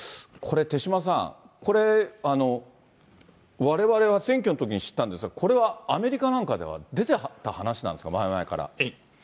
これ、手嶋さん、これ、われわれは選挙のときに知ったんですが、これはアメリカなんかでは出てた話なんですか、前々から。